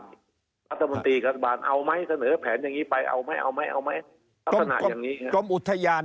รัฐบาลเอาไหมเสนอแผนอย่างนี้ไปเอาไหมเอาไหมเอาไหม